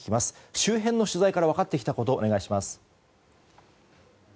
周辺の取材から分かってきたことお願いします。